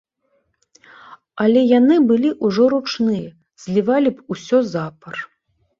Але яны былі ўжо ручныя, злівалі б усё запар.